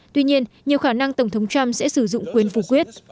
tuy nhiên nhiều khả năng tổng thống trump sẽ sử dụng quyền phủ quyết